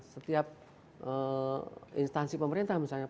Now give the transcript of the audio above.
setiap instansi pemerintah misalnya